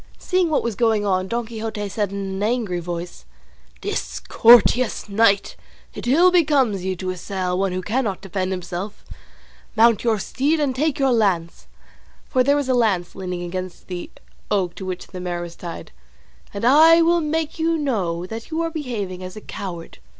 Seeing what was going on, Don Quixote said in an angry voice, "Discourteous knight, it ill becomes you to assail one who cannot defend himself; mount your steed and take your lance" (for there was a lance leaning against the oak to which the mare was tied), "and I will make you know that you are behaving as a coward."